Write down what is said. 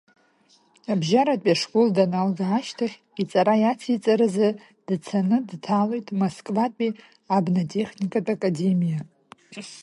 Абжьаратәи ашкол даналга ашьҭахь иҵара иациҵаразы дцаны дҭалоит Москватәи абнатехникатә академиа.